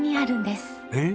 えっ？